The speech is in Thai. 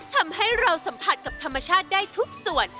ทำให้เราสัมผัสกับธรรมชาติได้ทุกส่วน